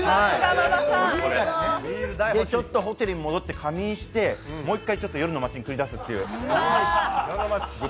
でちょっとホテルに戻って仮眠してもう１回、ちょっと夜の町に繰り出すっていう。